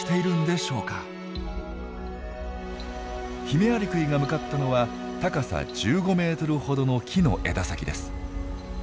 ヒメアリクイが向かったのは高さ１５メートルほどの木の枝先です。